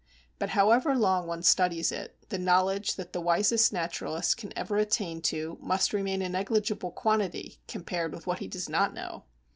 But however long one studies it, the knowledge that the wisest naturalist can ever attain to must remain a negligible quantity compared with what he does not know.